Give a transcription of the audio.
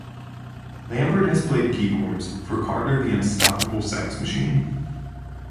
Lambert has played keyboards for Carter the Unstoppable Sex Machine.